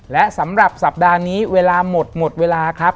และสำหรับสัปดาห์นี้เวลาหมดหมดเวลาครับ